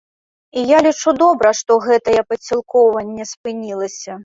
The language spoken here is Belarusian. І я лічу, добра, што гэтае падсілкоўванне спынілася.